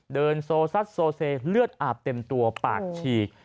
เดินโซซัดโซเซเลือดอาบเต็มตัวปากฉีก